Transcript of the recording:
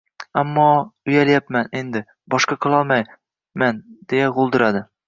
— Ammo... uyalyapman endi... boshqa qilolmayman,— deya g‘o‘ldiradi